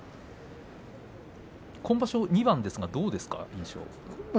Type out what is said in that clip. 今場所２番ですが印象はどうですか。